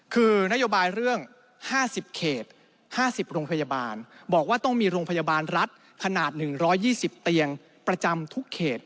คือนโยบายเรื่อง๕๐เขต๕๐โรงพยาบาลบอกว่าต้องมีโรงพยาบาลรัฐขนาด๑๒๐เตียงประจำทุกเขต